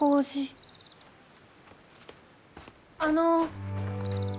あの。